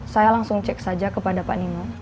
saya langsung cek saja kepada pak nino